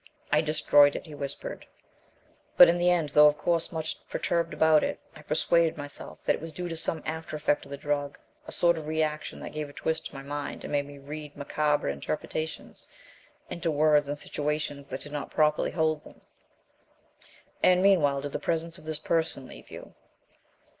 "I destroyed it," he whispered. "But, in the end, though of course much perturbed about it, I persuaded myself that it was due to some after effect of the drug, a sort of reaction that gave a twist to my mind and made me read macabre interpretations into words and situations that did not properly hold them." "And, meanwhile, did the presence of this person leave you?"